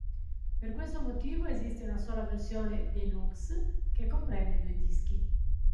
Per questo motivo esiste una sola versione, deluxe, che comprende due dischi.